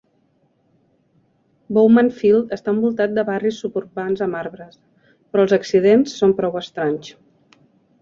Bowman Field està envoltat de barris suburbans amb arbres, però els accidents són prou estranys.